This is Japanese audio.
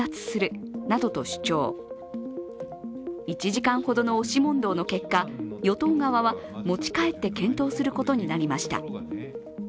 １時間ほどの押し問答の結果、与党側は持ち帰って検討することになりました。